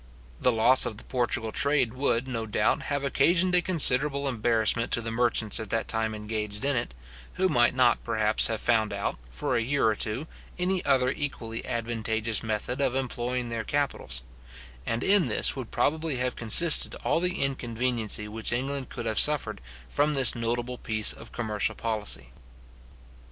The loss of the Portugal trade would, no doubt, have occasioned a considerable embarrassment to the merchants at that time engaged in it, who might not, perhaps, have found out, for a year or two, any other equally advantageous method of employing their capitals; and in this would probably have consisted all the inconveniency which England could have suffered from this notable piece of commercial policy.